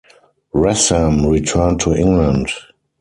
Rassam returned to England.